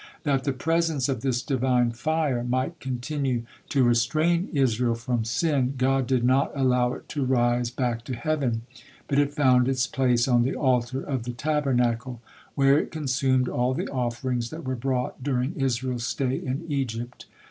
That the presence of this Divine fire might continue to restrain Israel from sin, God did not allow it to rise back to heaven, but it found its place on the altar of the Tabernacle, where it consumed all the offerings that were brought during Israel's stay in Egypt.